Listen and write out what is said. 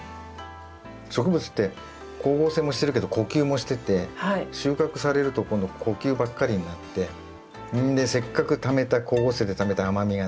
植物って光合成もしてるけど呼吸もしてて収穫されると今度呼吸ばっかりになってせっかくためた光合成でためた甘みがね